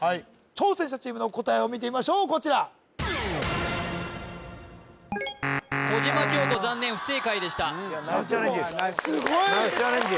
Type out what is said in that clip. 挑戦者チームの答えを見てみましょうこちら小島京古残念不正解でしたナイスチャレンジナイスチャレンジ